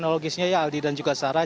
krogisnya ya aldi dan juga sarah